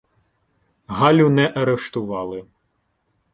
Галю не арештували.